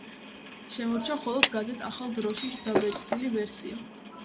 შემორჩა მხოლოდ გაზეთ „ახალ დროში“ დაბეჭდილი ვერსია.